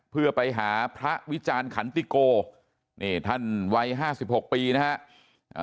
เพื่อไปหาพระวิจารณ์ขันติโกนี่ท่านวัยห้าสิบหกปีนะฮะ